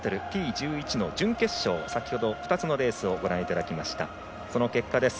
１１の準決勝、先ほど２つのレースをご覧いただきました結果です。